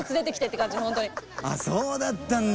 あそうだったんだ。